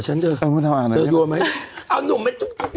เฮ้ยนุ่มไหวไหมอ่ะ